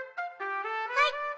はい。